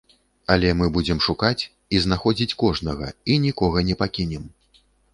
Але мы будзем шукаць, і знаходзіць кожнага, і нікога не пакінем.